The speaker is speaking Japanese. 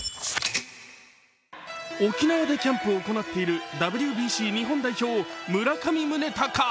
沖縄でキャンプを行っているＷＢＣ日本代表、村上宗隆。